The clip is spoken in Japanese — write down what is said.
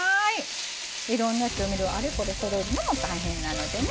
いろんな調味料をあれこれそろえるのも大変なのでね。